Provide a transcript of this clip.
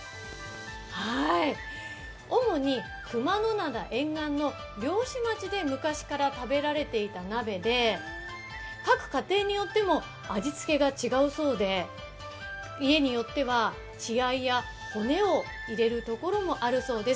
主に熊野灘沿岸の漁師町で昔から食べられていた鍋で各家庭によっても味付けが違うそうで、家によっては血合いや骨を入れるところもあるそうです。